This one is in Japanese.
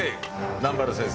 段原先生